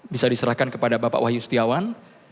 bisa diserahkan kepada bapak wahyu setiawan